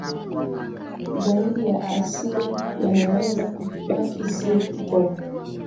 zaidi ya asili yanaweza kubaki siri kutoka